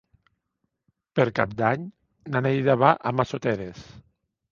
Per Cap d'Any na Neida va a Massoteres.